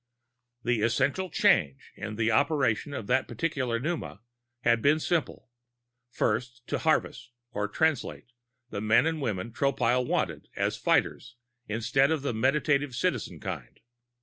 The essential change in the operation of that particular pneuma had been simple; first, to "harvest" or "Translate" the men and women Tropile wanted as fighters instead of the meditative Citizen kind.